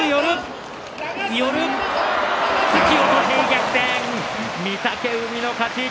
逆転、御嶽海の勝ち。